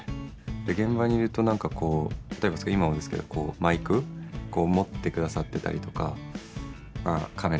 現場にいると、なんか例えば、今もそうですけどマイク持ってくださってたりとかカメラ